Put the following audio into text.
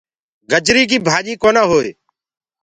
گجري ڪي ڀآجي ڪونآ هئي۔